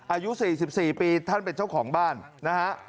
อายุ๔๔ปีท่านเป็นเจ้าของบ้านนะฮะ